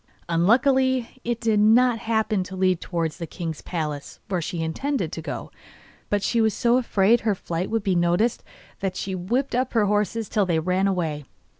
Unluckily, it did not happen to lead towards the king's palace, where she intended to go, but she was so afraid her flight would be noticed that she whipped up her horses till they ran away.